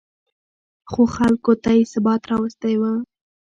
خو خلکو ته یې ثبات راوستی و